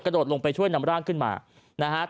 โดดลงไปช่วยนำร่างขึ้นมานะฮะ